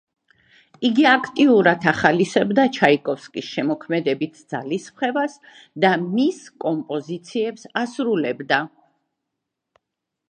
იგი აქტიურად ახალისებდა ჩაიკოვსკის შემოქმედებით ძალისხმევას და მისი კომპოზიციებს ასრულებდა.